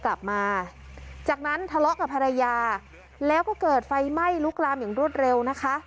กลับมาจากนั้นทะเลาะกับภรรยาแล้วก็เกิดไฟไหม้ลุกลามอย่างรวดเร็วนะคะ